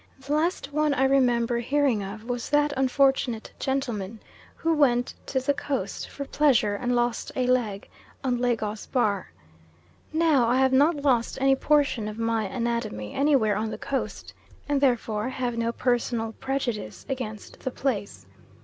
The last one I remember hearing of was that unfortunate gentleman who went to the Coast for pleasure and lost a leg on Lagos Bar. Now I have not lost any portion of my anatomy anywhere on the Coast, and therefore have no personal prejudice against the place.